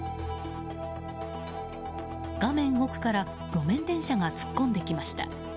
画面奥から路面電車が突っ込んできました。